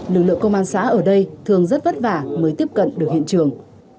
lực lượng công an xã ở đây thường rất vất vả mới tiếp cận được hiện trường